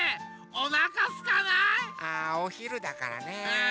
あおひるだからね。